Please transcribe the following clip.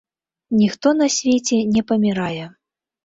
Ніхто на свеце не памірае.